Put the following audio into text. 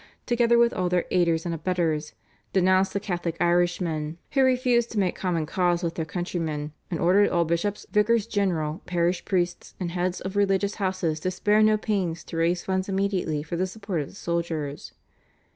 together with all their aiders and abettors, denounced the Catholic Irishmen who refused to make common cause with their countrymen, and ordered all bishops, vicars general, parish priests, and heads of religious houses to spare no pains to raise funds immediately for the support of the soldiers.